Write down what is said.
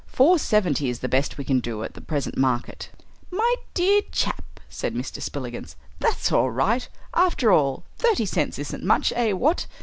Four seventy is the best we can do on the present market." "My dear chap," said Mr. Spillikins, "that's all right. After all, thirty cents isn't much, eh what?